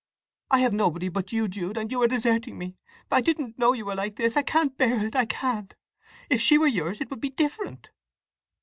"I have nobody but you, Jude, and you are deserting me! I didn't know you were like this—I can't bear it, I can't! If she were yours it would be different!"